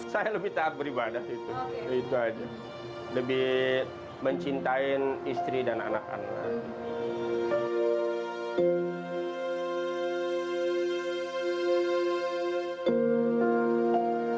saya lebih takut beribadah itu